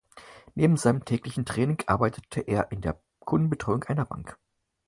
Neben seinem täglichen Training arbeitete er in der Kundenbetreuung einer Bank.